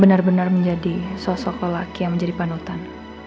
benar benar menjadi sosok lelaki yang menjadi panutan